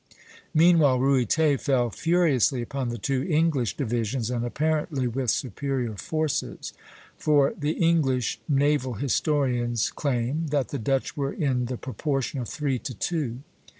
Meanwhile Ruyter fell furiously upon the two English divisions, and apparently with superior forces; for the English naval historians claim that the Dutch were in the proportion of three to two.